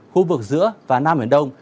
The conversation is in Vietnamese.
khu vực giữa và nam biển đông